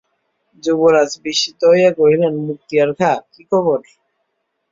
যুবরাজ বিস্মিত হইয়া কহিলেন, মুক্তিয়ার খাঁ, কী খবর?